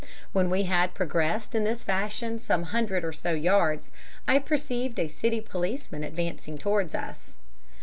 When we had progressed in this fashion some hundred or so yards, I perceived a City policeman advancing towards us.